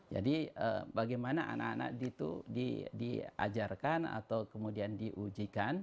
jadi bagaimana anak anak itu diajarkan atau kemudian diujikan